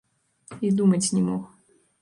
І думаць не мог.